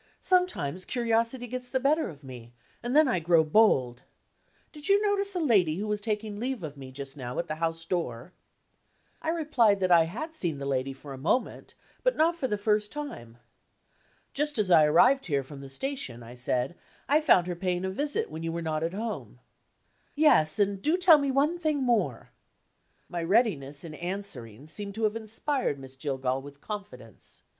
Sometimes, curiosity gets the better of me and then I grow bold. Did you notice a lady who was taking leave of me just now at the house door?" I replied that I had seen the lady for a moment, but not for the first time. "Just as I arrived here from the station," I said, "I found her paying a visit when you were not at home." "Yes and do tell me one thing more." My readiness in answering seemed to have inspired Miss Jillgall with confidence.